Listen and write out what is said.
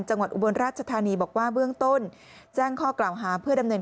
อุบลราชธานีบอกว่าเบื้องต้นแจ้งข้อกล่าวหาเพื่อดำเนิน